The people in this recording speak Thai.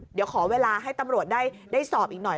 เดี๋ยวขอเวลาให้ตำรวจได้สอบอีกหน่อย